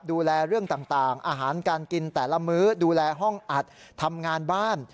ดูแลเรื่องต่างอาหารการกินแต่ละมื้อดูแลห้องอัดทำงานบ้าน